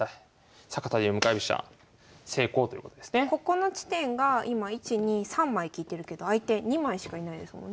こうなればここの地点が今１２３枚利いてるけど相手２枚しかいないですもんね。